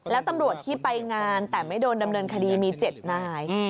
แล้วตำรวจที่ไปงานแต่ไม่โดนดำเนินคดีมี๗นาย